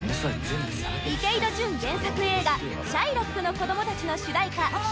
池井戸潤原作映画「シャイロックの子供たち」の主題歌